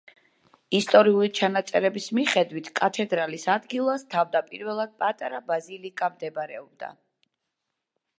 ისტორიული ჩანაწერების მიხედვით, კათედრალის ადგილას თავდაპირველად პატარა ბაზილიკა მდებარეობდა.